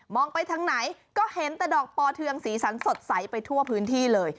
ไปทางไหนก็เห็นแต่ดอกปอเทืองสีสันสดใสไปทั่วพื้นที่เลย